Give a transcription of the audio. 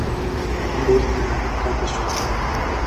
بېرته راکښته شوه.